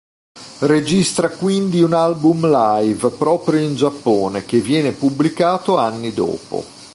Registra quindi un album live proprio in Giappone, che viene pubblicato anni dopo.